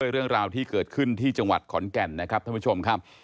เรื่องราวที่เกิดขึ้นที่จังหวัดขอนแก่นนะครับท่านผู้ชมครับ